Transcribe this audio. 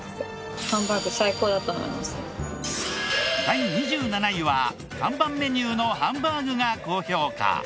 第２７位は看板メニューのハンバーグが高評価。